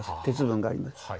鉄分があります。